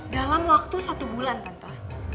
dalam waktu satu bulan kanto